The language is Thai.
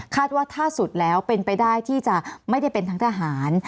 ว่าถ้าสุดแล้วเป็นไปได้ที่จะไม่ได้เป็นทั้งทหาร